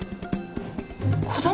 子供！？